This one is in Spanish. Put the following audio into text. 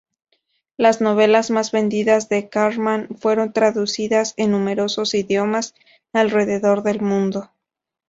Las novelas más vendidas de Corman fueron traducidas en numerosos idiomas alrededor del mundo.